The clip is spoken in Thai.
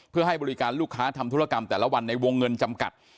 เพื่อให้บริการลูกค้าทำธุรกรรมแต่ละวันในวงเงินจำกัด